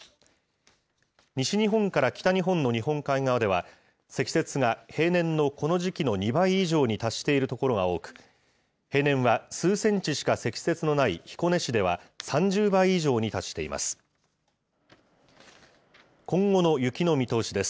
西日本から北日本の日本海側では、積雪が平年のこの時期の２倍以上に達している所が多く、平年は数センチしか積雪のない彦根市では、３０倍以上に達しています。